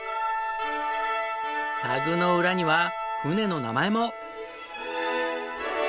タグの裏には船の名前も。